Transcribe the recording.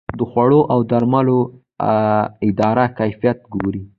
د خوړو او درملو اداره کیفیت ګوري